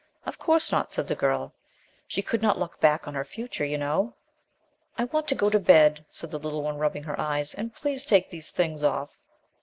"Of course not," said the girl, "she could not look back on her future, you know." "I want to go to bed," said the little one, rubbing her eyes, "and please take these things off."